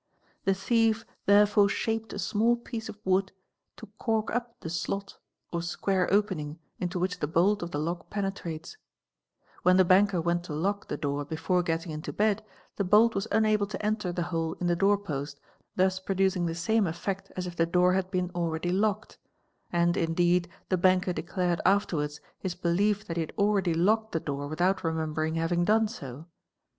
The thief therefore shaped a small piece of wood to co up the slot, or square opening into which the bolt of the lock penetra 2 When the banker went to lock the door before getting into De the bolt was unable to enter the hole in the door post, thus producing tl same effect as if the door had been already locked; and indeed, 6 banker declared afterwards his belief that he had already locked the de without remembering having done so.